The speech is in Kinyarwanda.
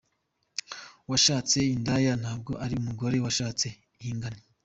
Washatse indaya ntabwo ari umugore washatse, ihangane.